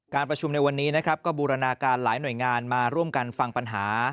ประชุมในวันนี้นะครับก็บูรณาการหลายหน่วยงานมาร่วมกันฟังปัญหา